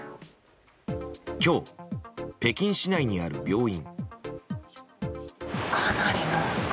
今日、北京市内にある病院。